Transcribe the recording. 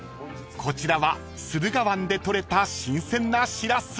［こちらは駿河湾で取れた新鮮なシラス］